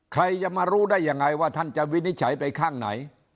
ใครจะมารู้ได้ยังไงว่าท่านจะวินิจฉัยไปข้างไหน